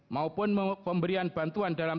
maupun pemberian bantuan dalam